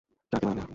চা কে বানাইবে?